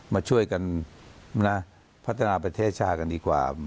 มาช่วยกันนะพัฒนาประเทศชาติกันดีกว่า